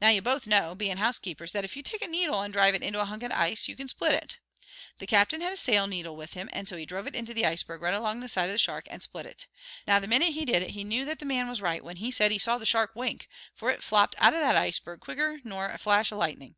"Now you both know, being housekeepers, that if you take a needle and drive it into a hunk of ice you can split it. The captain had a sail needle with him, and so he drove it into the iceberg right alongside of the shark and split it. Now the minute he did it he knew that the man was right when he said he saw the shark wink, for it flopped out of that iceberg quicker nor a flash of lightning."